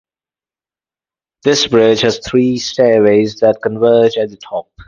This bridge has three stairways that converge at the top.